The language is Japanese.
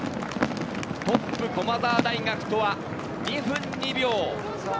トップ・駒澤大学とは２分２秒。